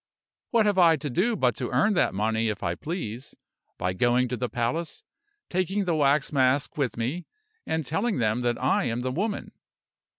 What have I to do but to earn that money if I please, by going to the palace, taking the wax mask with me, and telling them that I am the woman.